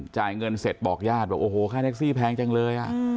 จ่ายเงินเสร็จบอกญาติค่าแท็กซี่แพงจังเลย